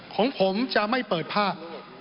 ของผมจะไม่เปิดภาพ